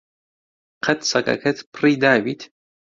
قەت سەگەکەت پڕی داویت؟